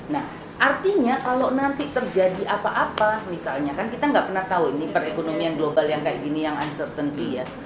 nah artinya kalau nanti terjadi apa apa misalnya kan kita nggak pernah tahu ini perekonomian global yang kayak gini yang uncertainty ya